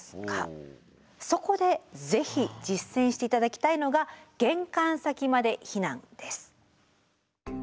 そこでぜひ実践して頂きたいのが「玄関先まで避難」です。